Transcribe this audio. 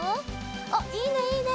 あっいいねいいね！